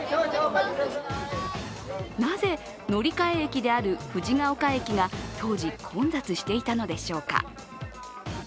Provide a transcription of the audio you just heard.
なぜ乗換駅である藤が丘駅が当時混雑していたのでしょうか。